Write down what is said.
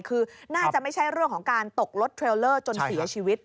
คือน่าจะไม่ใช่เรื่องของการตกรถเทรลเลอร์จนเสียชีวิต